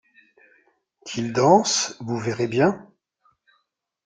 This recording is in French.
Qu'il danse, vous verrez bien.